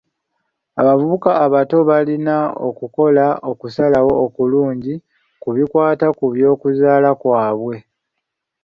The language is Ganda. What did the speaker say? Abavubuka abato balina okukola okusalawo okulungi ku bikwata ku by'okuzaala kwabwe.